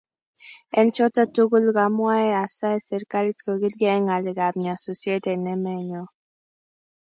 eng choto tugul kamwaa asae serikalit kogilgei eng ngalekab nyasusiet eng emenyo